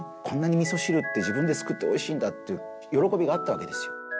こんなに、みそ汁って自分で作っておいしいんだっていう喜びがあったわけですよ。